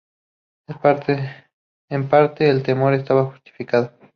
En parte el temor estaba justificado.